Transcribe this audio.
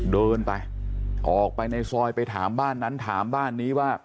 เดินไปออกไปในซอยไปถามบ้านนั้นถามบ้านนี้ว่า